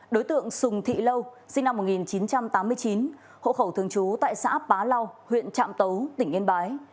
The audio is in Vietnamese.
đối tượng sùng thị lâu sinh năm một nghìn chín trăm tám mươi chín hộ khẩu thường trú tại xã bá lau huyện trạm tấu tỉnh yên bái